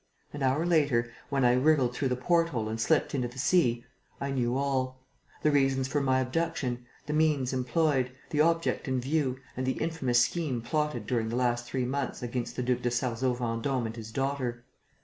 An hour later, when I wriggled through the port hole and slipped into the sea, I knew all: the reasons for my abduction, the means employed, the object in view and the infamous scheme plotted during the last three months against the Duc de Sarzeau Vendôme and his daughter.